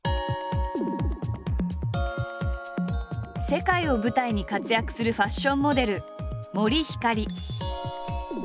世界を舞台に活躍するファッションモデル森星。